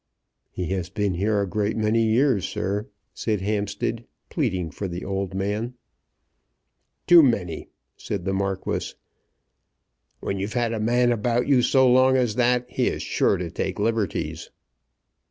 "He has been here a great many years, sir," said Hampstead, pleading for the old man. "Too many," said the Marquis. "When you've had a man about you so long as that, he is sure to take liberties."